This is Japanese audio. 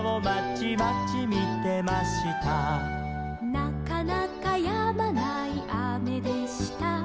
「なかなかやまないあめでした」